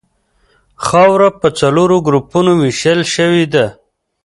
خاوره په څلورو ګروپونو ویشل شوې ده